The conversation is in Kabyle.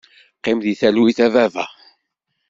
Qqim deg talwit a baba.